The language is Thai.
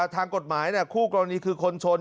ทางกฎหมายคู่กรณีคือคนชน